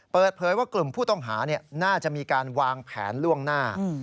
เปิดเผยว่ากลุ่มผู้ต้องหาน่าจะมีการวางแผนล่วงหน้า